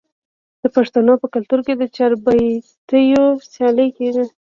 د پښتنو په کلتور کې د چاربیتیو سیالي کیږي.